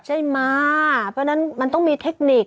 ใช่ไหมเพราะฉะนั้นมันต้องมีเทคนิค